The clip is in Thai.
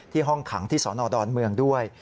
ห้องขังที่สนดอนเมืองด้วย